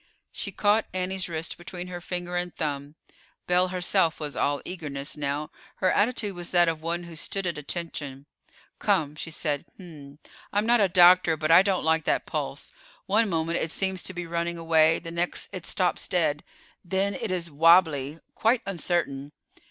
She caught Annie's wrist between her finger and thumb. Belle herself was all eagerness now; her attitude was that of one who stood at attention. "Come," she said. "H'm! I'm not a doctor, but I don't like that pulse. One moment it seems to be running away, the next it stops dead—then it is wabbly, quite uncertain.